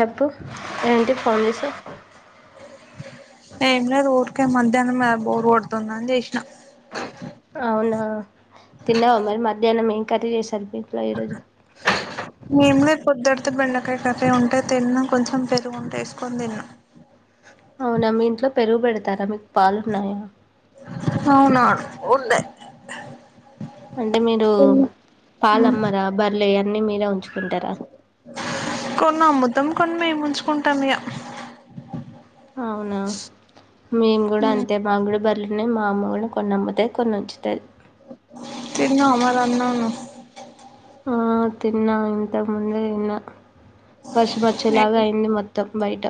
చెప్పు ఏంటి ఫోన్ చేసావ్ నం లేదు వురిక మధ్యాహ్నం బోరు కొడుతుంద అని చేసిన అవునా తిన్నావు మరి మధ్యాహ్నం ఏం కరీ చేసారు ఇట్లో ఈరోజు మేములే పొద్దుది బెండకాయ కర్రీ ఉంటే తిన్నా కొంచెం పెరుగుంటే వేసుకొని తిన్నాం తార మీకు పాల ఉన్నాయా అవునను ఉంటే అంటే మీరు పాలమ్మరా బరలే అన్ని మీర ఉంచు కుండరా తొం మేము ఉంచుకుంటాం ఇగ అవునా మేము గూడా అంతే మాగూడ బర్లు అన్నె మా అమ్మ గూడ కొన్ని అమ్ముతాయ్ కొన్ని ఉంచుతాది తన్నావ మరి అన్నొ ఇన్నొ ఆ తిన్నా ఇంతకుముందే తిన్నా వర్షం వచ్చేలాగా నువ్వు అయింది మొత్తం బయట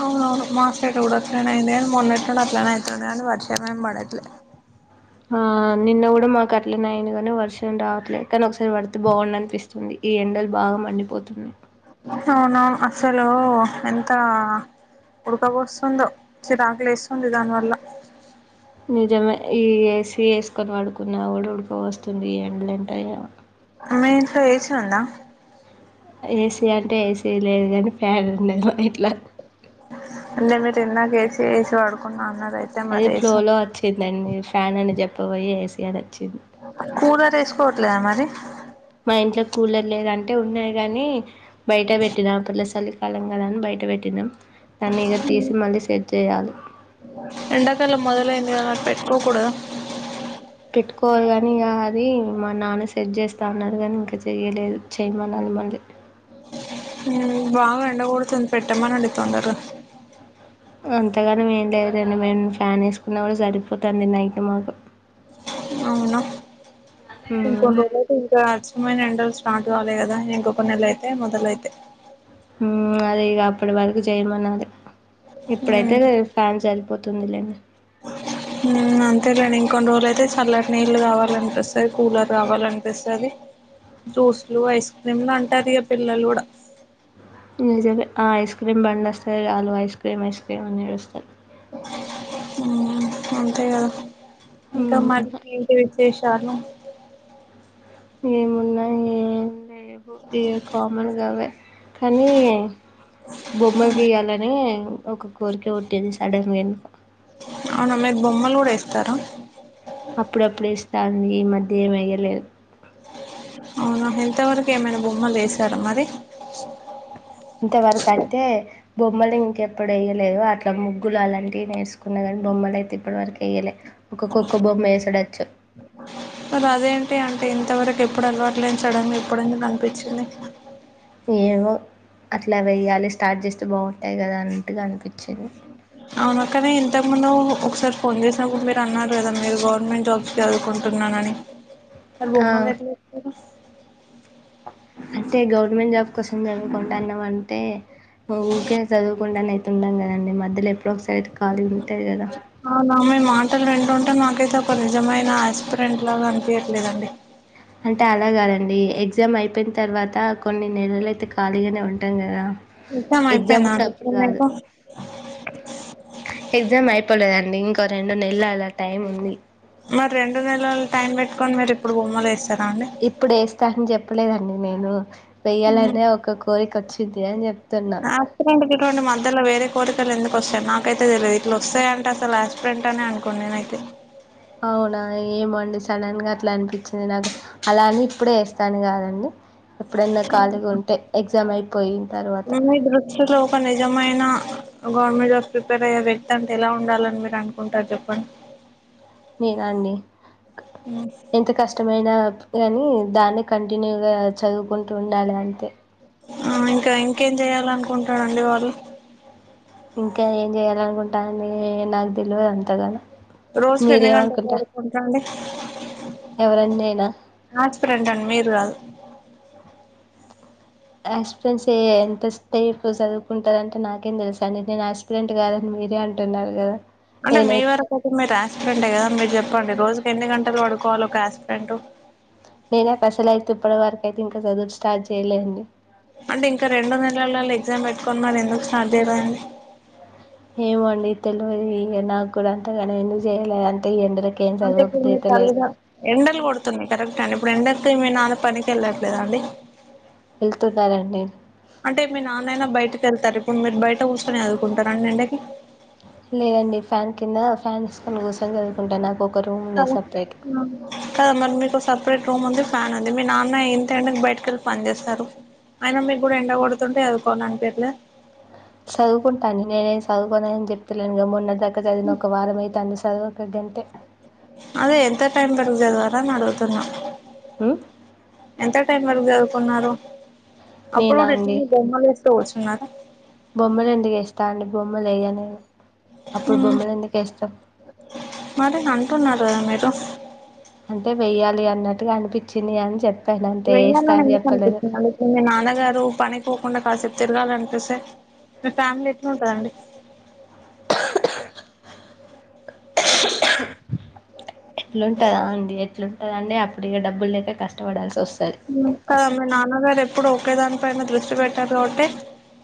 అవునవును [unintelligible] ఆ నిన్న కూడా మాకు అట్లేనే అయింది కానీ వర్షం రావట్లేదు కానీ ఒకసారి పడితే బాగుండు అనిపిస్తుంది ఈ ఎండలు బాగా మండిపోతున్నాయ్ అవునా అసలు ఎంత ఉడకపోస్తుందో చిరాకు లేస్తుంది దానివల్ల నిజమే ఈ ఏసి ఏసుకొని పడుకున్న వుడుక పోస్తుంది ఈ ఎండ్లు ఏంటో ఏమొ మీ ఇంట్లో ఏసి ఉందా ఏసీ అంటే ఏసీ లేదు కానీ ఫ్యాన్ ఉన్నది మా ఇంట్లో అంటే మీరు ఇందాక ఏసీ ఏసి పడుకున్నా అన్నారు అయితే అదే మరి ఏసి ఫ్లోలో వచ్చిందండి ఫ్యాన్ అని చెప్పబోయి ఏసి అని వచ్చింది కూలర్ ఏసుకోవట్లేదా మరి మా ఇంట్లో కూలర్ లేద అంటే ఉన్నాయి గాని బయట పెట్టినాం [unintelligible] సలికాలం గదా అని బయట పెట్టినాం దాన్ని ఇక తీసి మళ్ళీ సెట్ చేయాలి ఎండాకాలం మొదలైంది కదా మరి పెట్టుకోకూడదా పెట్టుకోవాలి గాని ఇగ అది మా నాన్న సెట్ చేస్తా అన్నాడు కానీ ఇంకా చెయ్యలేదు చేయమనాలి మళ్లీ బాగ ఎండ గొడుతుంది పెట్టమనండి తొందరగా అంతగర్వం ఏం లేదు లెండి మేను ఫ్యాన్ ఏసుకున్న కూడా సరిపోతాంది నైట్ మాకు అవునా ఇంకొన్ను రోజులు అయితే ఇంకా ఏమైన ఎండలు స్టార్ట్ కాలే కదా ఇంకొక నెల అయితే మొదలైతాయ్ ఉమ్ అదే ఇగ అప్పుడు వరకు చేయమన్నా అది ఇప్పుడై తాది గదా ఫ్యాన్ సరి పోతుంది లేండి ఉమ్ అంతే లేండి ఇన్ కొన్ని రోజులు అయితే సల్లటి నీళ్లు కావాలనిపిస్తది కూలర్ కావాలనిపిస్తది జ్యూస్లు ఐస్ క్రీమ్లు అంటారు ఇగ పిల్లలు గుడా నిజమే ఆ ఐస్ క్రీమ్ బండి వస్తే చాలు ఐస్ క్రీమ్ ఐస్ క్రీమ్ అని ఏడుస్తారు ఉమ్ అంతే గద ఇంకా మరి ఏంటి విశేష్ [unintelligible] ఏమున్నాయ్ ఏం లేవు ఇకిగా కామన్ గా అవే కాని బొమ్మలు గీయాలని ఒక కోరిక పుట్టింది సడన్ గా ఎందుకో అవునా మీరు బొమ్మలు గూడా ఏస్తారా అప్పుడప్పుడు ఏస్తా అండి ఈ మధ్య ఏమి ఎయ్యలేదు అవునా ఇంతవరకు ఏమైనా బొమ్మలు ఏసారా మరి ఇంతవరకు అటితే బొమ్మలు ఇంకెప్పుడు ఎయ్యలేదు అట్లా ముగ్గులు అలాంటివి వేసుకున్న కానీ బొమ్మలు అయితే ఇప్పటివరకు ఏయలేదు ఒక్కొక్కొక్క బొమ్మ ఏసడొచ్చు మరి అదేంటి అంటే ఇంతవరకు ఎప్పుడు అలవాట్లేని సడన్ గా ఇప్పుడెందుకు అనిపిచ్చింది ఏమో అట్లా వెయ్యాలి స్టార్ట్ చేస్తే బాగుంటాయి కదా అన్నట్టుగా అనిపిచ్చింది అవునా కానీ ఇంతకుముందు ఒకసారి ఫోన్ జేసినప్పుడు మీరు అన్నారు గదా మీరు గవర్నమెంట్ జాబ్స్ కి చదువుకుంటున్నానని మరి బొమ్మలు ఎట్లా ఇత్తరు అంటే గవర్నమెంట్ జాబ్ కోసం చదువుకుంటాన్నామ్ అంటే ఊకే చదువుకుడానేయి ఉన్నాం గదండి మధ్యల ఏప్ బ్రో సైయిడ్ కాళీ ఉంటే గదా అంటే మాకైతే ఒక నిజమైన ఆస్పిరెంట్ లాగా అనిపియ్యట్లేదండి అంటే అలా గాదండి ఎగ్జామ్ అయిపోయిన తర్వాత కొన్ని నెలలు అయితే ఖాళీగానే ఉంటాం గదా ఎగ్జామ్ అయిపోయిందా ఉంట అండి అప్పుడు ఇప్పుడు గాదు మీకు ఎగ్జామ్ అయిపోలేద అండి ఇక్ తో రెండు నెల అలా టైం ఉంది మరి రెండు నెలలు టైం బెట్టు కోన్ మీరు ఇప్పుడు బొమ్మలు ఏస్ ఇప్పుడు ఏస్తా అని జెప్ లేదండి నేను వెయ్యాలంటే ఒక కోరిక వచ్చింది అని చెప్తున్నా యాక్సిడెంట్ గిటువంటి మధ్యలో వేరే కోరికలు ఎందుకు వస్తాయి నాకు అయితే తెలివదు ఇట్లా వస్తాయంట అసలు యాక్సిడెంట్ అనుకోను నేనైతే అవునా ఏమో అండి సడన్గా అట్లా అనిపించింది నాకు అలా అని ఇప్పుడే వేస్తా అని గదండి ఎప్పుడన్నా ఖాళీగా ఉంటే ఎగ్జామ్ అయిపోయిన తర్వాత ఓ గవర్నమెంట్ జాబ్ ప్రిపేర్ అయ్యే వ్యక్తి అంటే ఎలా ఉండాలని మీరు అనుకుంటారు చెప్పండి నేన అండి ఎంత కష్టమైన కానీ అని దాన్ని కంటిన్యూగా చదువుకుంటూ ఉండాలి అంతే ఆ ఇంకా ఇంకేం జేయాలి అనుకుంటాడండి వాళ్ళు ఇంకా ఏం చెయాలనుకుంటా ని నాకు తెలివదు అంత గదా రోజుకు ఎన్ని గంటలు చదువు కుంటండే ఎవరన్నైనా నాచ్ ఫ్రెండ్ అండి మీరు కాదు అస్పెన్స్య్ ఏ ఎంత సేపు చదువుకుంటారంటే నాకేం తెలుస అండి నేను యాస్పిరంట్ కాదని మీరే అంటున్నారు కదా అంటే మీ నేనైతే వరకు అయితే మీరు ఆస్పిరంట్ ఎ కదా కోండి రోజుకి ఎన్ని గంటలు పడుకోవాలి ఒక ఆస్పిరంటు నేనే అసలు అయితే ఇప్పటి వరకు అయితే ఇంకా చదువు స్టార్ట్ చేయలేండి అంటే ఇంకా రెండు నెలల ఎక్సమ్ పెట్టుకొని ఎందుకు స్టార్ట్ చేయలేదండి ఏమో అండి తెలువది ఇగ నాకు గుడా అంతగానం ఎందుకు చేయాలే అంతే ఇగ ఎండరన్ అంతే ఫుల్ పల్గా ఎండలు కొడుతున్నాయి కరెక్ట్ అన్ ము ఇప్పుడు ఎండ వస్తే ఏమైనా ఆడ పనికి వెళ్ళట్లేదా అండి వెళ్తున్నారండి అంటే మీ నాన్న అయినా బయటకి వెళ్తారు ఇపు ఉమ్ మీరు బయట కూర్చకొని చదువుకుంటారండి ఎండకి లేదండి ఫ్యాన్ కింద ఫ్యాన్ వేసుకొని కూసోని చదువుకుంటా నాకు ఒక రూమ్ కద ఉన్నది సపరేట్ న కద మరి మీకు సపరట్ రూమ్ ఉంది ఫ్యాన్ ఉంది మీ నాన్న ఇంతేంట బయటకెళ్ళి పని చేస్తారు అయినా మీకు కూడా ఎండగొడుతుంటే చదుకోవాలి అనిపియట్లే చదువుకుంటాను నేనేం చదువుకోను అని చెప్తులే మొన్న దగ్గ జదివిన ఒక వారం అయితాంది చదువు ఒక గంటే అదే ఎంతో టైం పెట్టిచదువారు అడుగుతున్నా హ్మ్ ఎంత టైం వరకు చదువుకున్నారు అప్పుడు నేనా అండి డిస్నీ బొమ్మలు [unintelligible] ఉన్నారా బొమ్మలు ఎందుకు ఎస్తా అండి బొమ్మలు ఏయాను హ్మ్ మరి అంటున్నారు మీరు సఫ్ అంటే వెయ్యాలి అన్నట్టుగా అనిపించింది అం వేయాలి అని ఎందుకు అనిపిస్తుంది అందుక మీ నాన్నగారు పని పోకుండా కాసేపు తిరగాల అనిపిస్తే మీ ఫ్యామిలీ ఎట్లా ఉంటదండి ఎట్లుంటదా అండి ఎట్లుంటదా అండి అప్పుడు ఇగ డబ్బులు లేక కష్టపడాల్సి వస్ హ్మ్ కదా మీ నాన్న గారు ఎ ఇప్పుడు ఒకే దాని పైన దృష్టి పెట్టారు అంటే కాబటే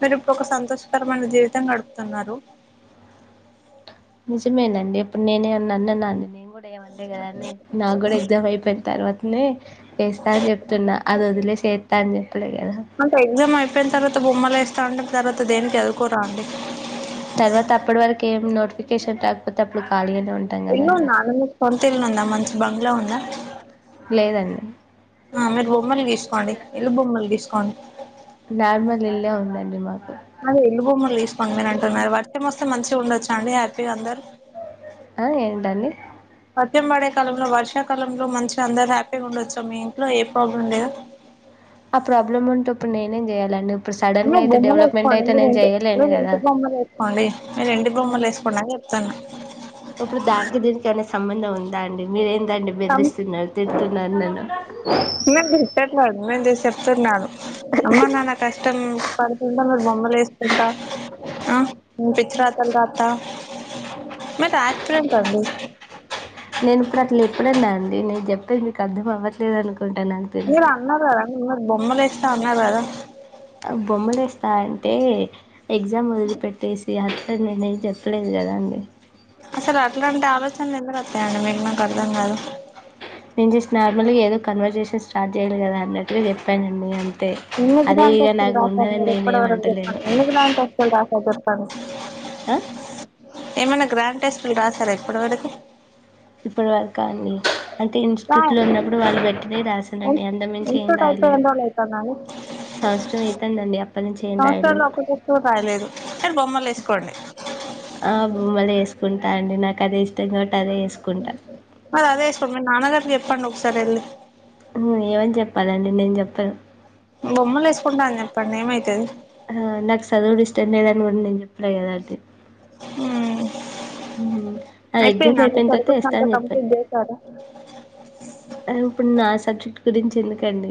మీరు ఇప్పు ఒక సంతోష్ పర మన జీవితం గడుపుతున్నారు నిజమేనండి ఇప్పుడు నేనే ఏమన్నా అన్నానా అండి నేను కూడా ఏమంటే కదా అండి అని నాకు కూడా ఎక్సమ్ అయిపోయిన తర్వాత నే చేస్తా అని చెప్తున్నా, అది వదిలేసి చేస్తా అని చెప్పలే కదా? అంటే ఎగ్జామ్ అయిపోయిన తర్వాత [unintelligible] తర్వాత దేనికి చదువుకోరా అండి? తర్వాత, అప్పటి వరకు ఏం నోటిఫికేషన్ రాకపోతే అప్పుడు ఖాళీ అన్ ఇల్లుందా అండి మీకు? సొంత ఇల్లు ఉందా? మంచి బంగ్లా ఉందా? లేదండి ఆ మీరు బొమ్మలు గీసుకోండి, ఇల్లు బొమ్మలు గీసుకోన్ కొం నార్మల్ ఇల్లే ఉందండి మాకు అది ఎల్లు బొమ్మలు తీసుకో మీ అని అంటున్నారు వర్షం మొస్తే మంచిగా ఉండొచ్చు అండి హ్యాపీగా అందరు ఆ ఏంటండి వర్షం పడే కాలంలో వర్షాకాలంలో మంచిగా అందరు హ్యాపీగా ఉండవచ్చు మీ ఇంట్లో ఏ ప్రాబ్లం లేదా ఆ ప్రాబ్లమ్ ఉంటే ఇప్పుడు నేనేం చెయాల అండి నువ్వు బొమ్మలు వేసుకోండి మీరు ఇంట్ మీరు కదా ఇంటి బొమ్మలు వేసుకోండి మీరు ఇంటి బొమ్మలు వేసుకోండి అని చెప్తాను ఇప్పుడు దానికి దీనికి ఏమన్నా సంబంధ ఉం దా అండి, మీరేం? దాన్ని బెదిరిస్తున్నాడు, తిడుతున్ నన్నేనా నిన్నెం తిట్టట్లేదు నేన్ జస్ట్ చెప్తున్నాను. అమ్మ నాన్న కష్టం పడుతుంటే, మీరు బొమ్మలేస్కుంట ఆ నువ్ పిచ్చి రాతలు రాత్త [unintelligible] అయింది. నేను ఇప్పుడు అట్ల ఎప్పుడన్నా అండి? నిక్ చెప్ తె మీకు అర్థం అవ్వట్లేదు అనుక్ మీరు అన్నరు కదండి, ఉన్ బొమ్మలేస్తా ఉన్నరు కదా? బొమ్మలు ఏస్తా అంటే? ఎగ్జామ్ వదిలి పెట్టేసి అట్ త్త నేను మీకు చెప్పలేదు కదా అండి? అసలు అట్లాంటి ఆలోచనలు ఎందుకత్ త్తాయండి మీకు? మాకు అర్ధం కాదు నేను జస్ట్ నార్మల్గా, ఏదో కన్వర్సేషన్ స్టార్ట్ చేయాలి కదా అన్నట్టుగా చెప్పానండి అన్ ఎందుకు దాంట్ వస్తువులు దాస్తరు మీరు నేనేం ఎప్పటివరకు చెప్పండి, అంటలేను ఎందుకు దాంట్ వస్తులు దాస్తర్ పన్ ఆ ఏమైనా గ్రాండ్ టెస్టులు రాసారా ఇప్పటి వరకు? ఇప్పుడు వరకా అండి? అంటే రా ఇన్స్టిట్యూట్ లో ఉన్నప్పుడు వాళ్ళు పెట్టినయ్ రాశానండి, అంతక్మించి ఏం ఇన్స్టిట్యూట్ రాయలే. అయిపోయి ఎన్ని రోజులు అయితాందండి సంవత్సరం అయితుందండి అప్పటి నుంచి ఏం సంవత్సరంలో రాయలేదు. ఒక్క టెస్ట్ కూడా రాయలేదు మీరు బొమ్మలు వేసుకోండి ఆ బొమ్మలేసుకుంటా అండి, నాకు అదే ఇష్టం గాబట్ మరదే ఎసుకోండి, మీ నాన్న గారు చెప్పండి ఒకసారి ఎల్లి. హు ఏమని చెప్పాలండి, నేను చెప్పను. బొమ్మలేసుకుంటా అని చెప్పండి, ఏమైతది? ఆ, నాకు సదువుడు ఇష్టం లేదనుకుంటడు నేను చెప్ మ్మ్ ఉమ్ నా ఎగ్జామ్ అయిపోయిందా అండి అయిపోయిన తర్వాత సిలబస్ వస్తా అంతా అని చెప్పా. కంప్లీట్ చేశారా ఆ ఇప్పుడు ఆ సబ్జెక్ట్ గురించి తీసుకోండి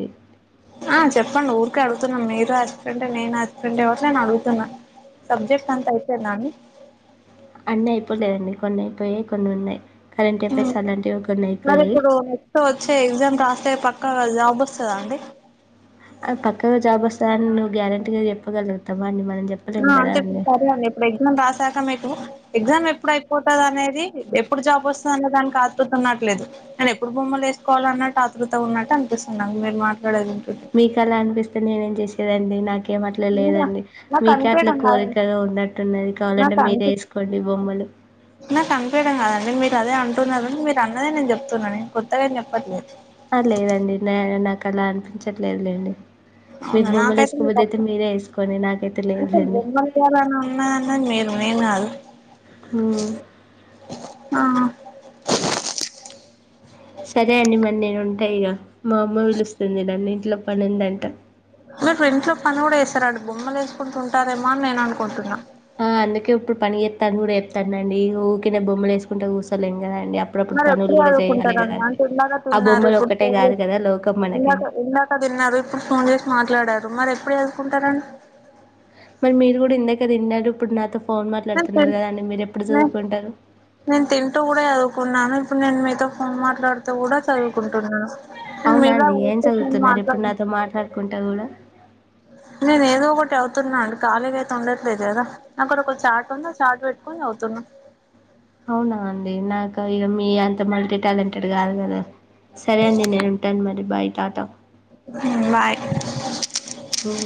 ఆ చెప్పండి ఊరికే అడుగుతున్నాము మీర అసిస్టెంట్ నేను అసిస్టెంట్ ఎవరు నేను అడుగుతున్నాను సబ్జెక్ట్ అంతయి సర్నా అండి? అన్ని అయిపోలేదండి. కొన్ని అయిపోయయి, కొన్ని ఉన్నాయి. కరెంట్ హ్మ్ అఫైర్స్ అలాంటివి కొన్ని మరి అయిపోయాయి ఇప్పుడు నక్ వచ్చే ఎగ్జామ్ రాస్తే పక్క ఆ జాబ్ వస్తుందా అండి అ పక్క గ జాబ్ వస్తాది సార్ నువ్వు గ్యారెంటీగా చెప్పగలుగుతావా అం మళ్ళీ అంతే ఇప్పుడు సరే అండి ఇప్పుడు ఎగ్జామ్ రాశాక మీకు ఎగ్జామ్ ఎప్పుడు అయిపోతది అనేది ఎప్పుడు జాబ్ వస్తుంది అన్న దానికి కాదు చెతున్నట్లేదు నేను ఎప్పుడు బొమ్మలు వేసుకోవాలి అన్నట్టు ఆతృత ఉన్నట్టు అనిపిస్తున్నా మీరు మాట్లాడేది వింటుంటే మీక అలా అనిపిస్తే నేనేం చేసాను రడి నా ఏం అట్లే లేదా లేదండి నాకు మీకే అట్లా అనిపియడం కాదండి కోరికగా ఉన్నట్టున్నది కావాలంటే నాకు మీరే అనిపి వేసుకోండి బొమ్మలు నాకు అనిపియడం కాదండి మీరు అదే అంటున్నారు మీరు అన్నదే నేను చెప్తున్నాని కొత్తగా ఎం చెప్పట్లేదు లేదండి న నాకు అలా అనిపించట్లేదులేండి అవునా నాకైతే మీ వేసుకోండి నాకైతే అస లేదులేండి జమయాలని ఉన్నన్నది మీరు నేను కాదు ఆ ఆ సరే అండి మరి నేను ఉంటాయి ఇక మా అమ్మ పిలుస్తుంది నన్ను ఇంట్లో పనిందంట మీరు ఫ్రెండ్స్ లో పని కూడా వేస్తారడు బొమ్లు వేసుకుంటుంటారేమ అని నేను అనుకుంటున్నా ఆ! అందుకే ఇప్పుడు పని ఎస్తాను కూడా ఎస్తానునండి ఊకినే బొమ్మలు వేసుకుంటే కూర్సలేండి మరి ఎప్పుడు చదువుకుంటారున్న అంటే ఇందాక ఆ తిన్నారు బొమ్మలు ఇప్పుడు ఒక్కటే ఫోన్ చే గాదు గదా లోకం మనకి. ఇందాక ఇందాక తిన్నారు ఇప్పుడు ఫోన్ చేసి మాట్లాడారు మరి ఎప్పుడు చసుకుంటారండి మరి మీరు గూడ ఇందేక తిన్నరు ఇప్పుడు నాతో ఫోన్ ని మాట్లాడుతున్నారు గదండీ. మీరెప్పుడు చదువుకుంటారు? నేను తింట కూడా అదకున్నా ఇప్పుడు నేను తొ ఫోన్ మాట్లాడుతూ కూడా చదువుకుంటున్నాను నన్ అవునా మీలా అండి? ఏం ఊకె చదువుతున్నారు మాట్లా ఇప్పుడు నాతో మాట్లాడుకుంటా గూడా? నేను ఏదో ఒకటి అవుతున్నాండి ఖాలీగ అయితె ఉండట్లేదు కదా నాకు కూడా కొంచం చార్ట్ ఉంద చార్ట్ వేట్కుని చవుతన్న అవునా అండి నాకు ఇగ మీ అంత మల్టీ టాలెంటెడ్ ఆదు గదా సరే అండి నేను ఉంటాను మరి బాయ్ టాట మ్ బాయ్ ఉం